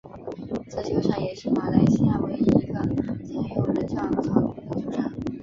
这球场也是马来西亚唯一一个采用人造草皮的球场。